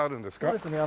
そうですね。